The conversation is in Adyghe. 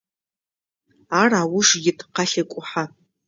Ар ауж ит, къалъекӏухьэ.